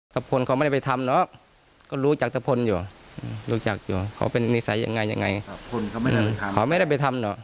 ตะพลเขาไม่ได้ไปทำหรอกก็รู้จักตะพลอยู่รู้จักอยู่เขาเป็นนิสัยยังไงยังไงเขาไม่ได้ไปทำหรอก